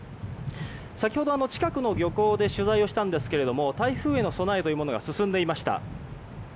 先ほど、近くの漁港で取材をしたんですが台風への備えが進んでいました。